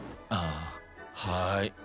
ああはい。